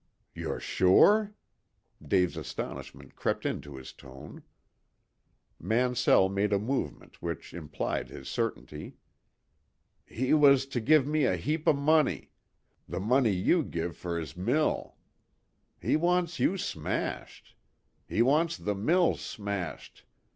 "You're sure?" Dave's astonishment crept into his tone. Mansell made a movement which implied his certainty. "He was to give me a heap o' money. The money you give fer his mill. He wants you smashed. He wants the mill smashed.